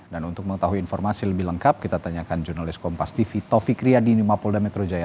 dan untuk mengetahui informasi lebih lengkap kita tanyakan jurnalis kompas tv tovik riyadi di rumah polda metro jaya